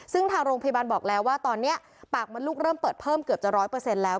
ซึ่งทางโรงพยาบาลบอกแล้วว่าตอนนี้ปากมันลุกเริ่มเปิดเพิ่มเกือบจะ๑๐๐แล้ว